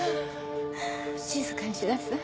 静かにしなさい。